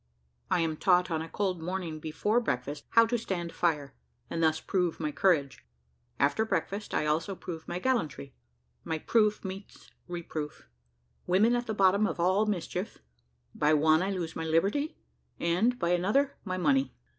I AM TAUGHT ON A COLD MORNING, BEFORE BREAKFAST, HOW TO STAND FIRE, AND THUS PROVE MY COURAGE AFTER BREAKFAST I ALSO PROVE MY GALLANTRY MY PROOF MEETS REPROOF WOMEN AT THE BOTTOM OF ALL MISCHIEF BY ONE I LOSE MY LIBERTY, AND, BY ANOTHER, MY MONEY.